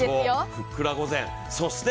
ふっくら御膳。